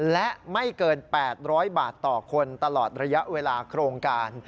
และไม่เกิน๘๐๐บาทต่อคนตลอดระยะเวลาโครงการ